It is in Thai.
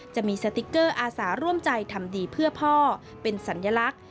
จะมีสติ๊กเกอร์อาสาร่วมใจทำดีเพื่อพ่อเป็นสัญลักษณ์